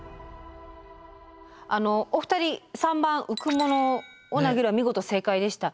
あのお二人３番「浮く物を投げる」は見事正解でした。